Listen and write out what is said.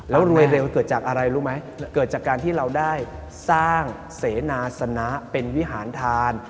แล้วรวยเร็วเกิดจากอะไรรู้ไหมเกิดจากการที่เราได้สร้างเสนาสนะเป็นวิหารทาน